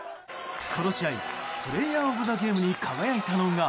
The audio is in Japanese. この試合プレーヤー・オブ・ザ・ゲームに輝いたのが。